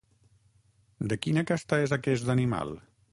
De quina casta és aquest animal?